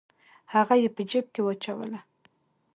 هغه یې په جیب کې واچوله.